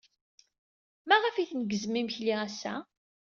Maɣef ay tneggzem imekli ass-a?